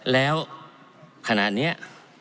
แล้วขณะนี้